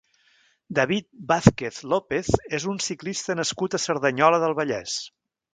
David Vázquez López és un ciclista nascut a Cerdanyola del Vallès.